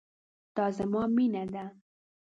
دا زما مينه ده